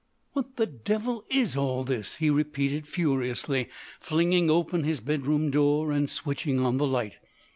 "What the devil is all this!" he repeated furiously, flinging open his bedroom door and switching on the light.